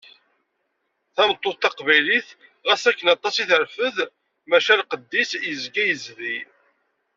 Tameṭṭut taqbaylit, xas akken aṭas i terfed, maca lqed-is yezga yezdi